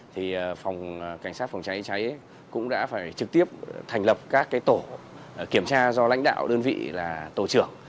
thì phòng cảnh sát phòng cháy cháy cũng đã phải trực tiếp thành lập các tổ kiểm tra do lãnh đạo đơn vị là tổ trưởng